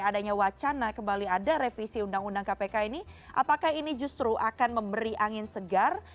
adanya wacana kembali ada revisi undang undang kpk ini apakah ini justru akan memberi angin segar